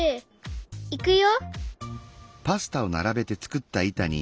いくよ！